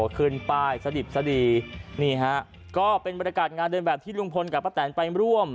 ขึ้นป้ายสดิบสดีนี่ฮะก็เป็นบรรยากาศงานเดินแบบที่ลุงพลกับป้าแตนไปร่วม